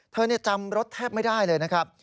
จำรถแทบไม่ได้เลยนะครับ